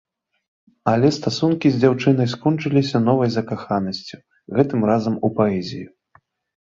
Але стасункі з дзяўчынай скончыліся новай закаханасцю, гэтым разам у паэзію.